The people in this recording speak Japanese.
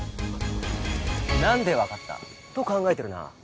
「何で分かった？」と考えてるな。